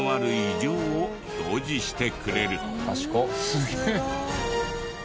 すげえ！